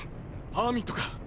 ハーミットか。